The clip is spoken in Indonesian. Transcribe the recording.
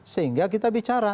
sehingga kita bicara